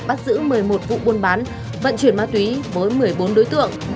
bắt giữ một mươi một vụ buôn bán vận chuyển ma túy với một mươi bốn đối tượng